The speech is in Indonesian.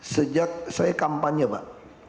sejak saya kampanye pak